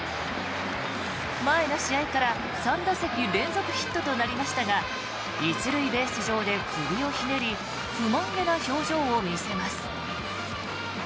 前の試合から３打席連続ヒットとなりましたが１塁ベース上で首をひねり不満げな表情を見せます。